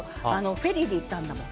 フェリーで行ったんだもん。